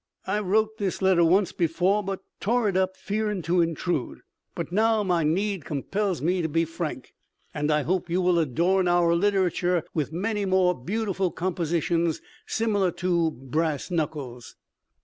I wrote this letter once before but tore it up fearing to intrude, but now my need compels me to be frank. I hope you will adorn our literature with many more beautiful compositions similiar to Brass Nuckles.